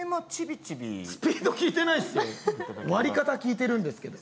スピード聞いてないですよ、割り方を聞いているんですよ。